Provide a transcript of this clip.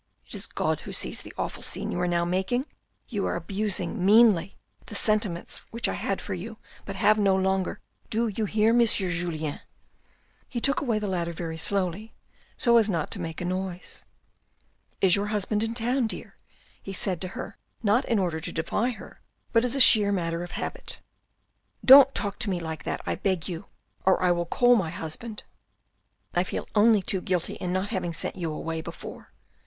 It is God who sees the awful scene you are now making. You are abusing meanly the sentiments which I had for you but have no longer. Do you hear, Monsieur Julien ?'' He took away the ladder very slowly so as not to make a noise. " Is your husband in town, dear," he said to her not in order to defy her but as a sheer matter of habit. " Don't talk to me like that, I beg you, or I will call my husband. I feel only too guilty in not having sent you away before.